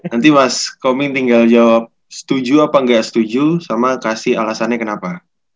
nanti mas komin tinggal jawab setuju apa enggak setuju sama kasih alasannya kenapa